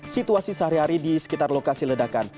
situasi sehari hari di sekitar lokasi ledakan